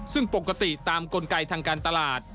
ซึ่งปกติตามกลไกทางการตลาด